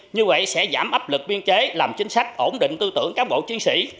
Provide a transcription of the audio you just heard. như vậy sẽ giảm áp lực biên chế làm chính sách ổn định tư tưởng cán bộ chiến sĩ